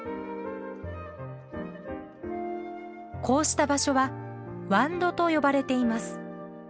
こうした場所は「ワンド」と呼ばれています。